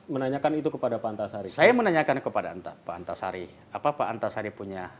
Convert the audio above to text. menanyakan itu kepada pantas hari saya menanyakan kepada antar pantas hari apa apa antas hari punya